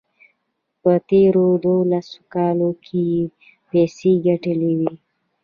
په تېرو دولسو کالو کې یې پیسې ګټلې وې.